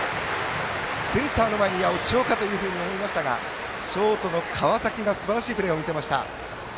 センターの前に落ちようかと思いましたがショートの川崎がすばらしいプレーを見せました。